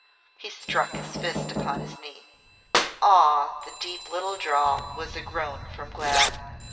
He struck his fist upon his knee. "Aw!" The deep little drawl was a groan from Glad.